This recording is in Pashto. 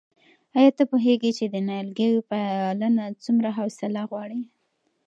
آیا ته پوهېږې چې د نیالګیو پالنه څومره حوصله غواړي؟